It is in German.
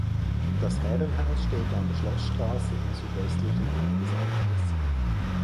Das Herrenhaus steht an der Schlossstraße im südwestlichen Teil des Ortes.